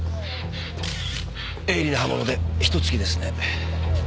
鋭利な刃物で一突きですね。